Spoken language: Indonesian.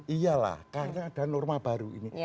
iya lah karena ada norma baru ini